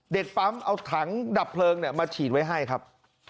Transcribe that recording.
ปั๊มเอาถังดับเพลิงมาฉีดไว้ให้ครับ